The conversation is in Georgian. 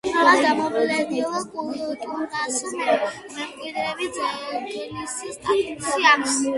შენობას, გამოვლენილი კულტურული მემკვიდრეობის ძეგლის სტატუსი აქვს.